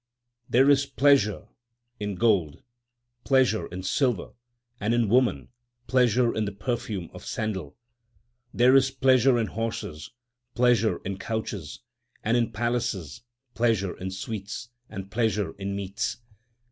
72 THE SIKH RELIGION There is pleasure in gold, pleasure in silver and in women, pleasure in the perfume of sandal ; There is pleasure in horses, pleasure in couches and in palaces, pleasure in sweets, and pleasure in meats.